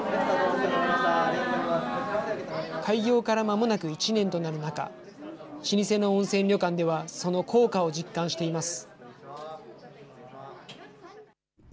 開業からまもなく１年となる中、老舗の温泉旅館ではその効果を実感しています。